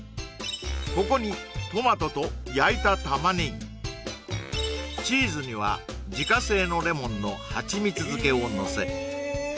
ここにトマトと焼いたタマネギチーズには自家製のレモンの蜂蜜漬けをのせえ